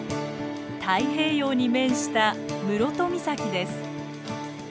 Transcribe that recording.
太平洋に面した室戸岬です。